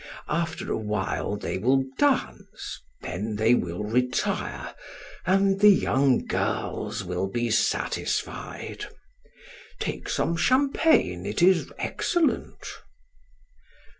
After a while they will dance, then they will retire, and the young girls will be satisfied. Take some champagne; it is excellent."